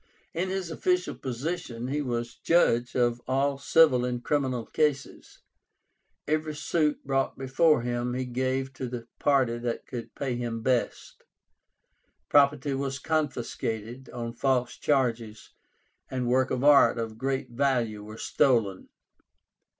In his official position, he was judge of all civil and criminal cases. Every suit brought before him he gave to the party that could pay him best. Property was confiscated on false charges, and works of art of great value were stolen.